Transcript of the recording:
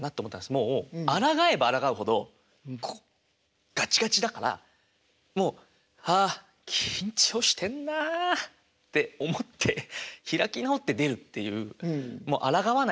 もうあらがえばあらがうほどこうガチガチだからもう「ああ緊張してんなあ」って思って開き直って出るっていうもうあらがわない。